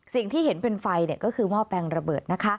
สิ่งที่เห็นเป็นไฟก็คือหม้อแปลงระเบิดนะคะ